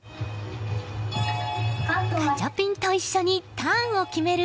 ガチャピンと一緒にターンを決める